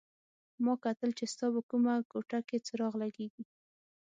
ما کتل چې ستا په کومه کوټه کې څراغ لګېږي.